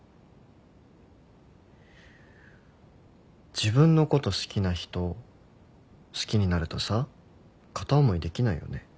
自分のこと好きな人好きになるとさ片思いできないよね。